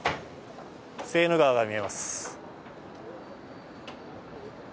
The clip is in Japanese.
セーヌ川が見えます。